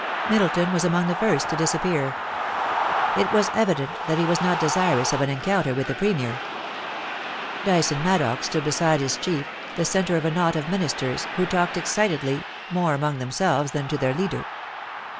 Middleton was among the fint to disappear ; it was evident that he was not desirous of an encounter with the Premier. Dyson Maddox stood beside his chief, the centre of a knot of Ministers, who talked ex citedly, more among themselves than to their leader.